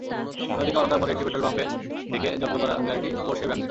অন্যদিকে অলংকার মোড়ে একটি পেট্রলপাম্প থেকে জব্দ করা গাড়িটি পোরশে ব্র্যান্ডের।